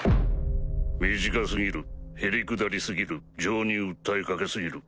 短過ぎるへりくだり過ぎる情に訴えかけ過ぎる。